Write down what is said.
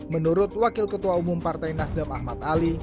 menurut wakil ketua umum partai nasdem ahmad ali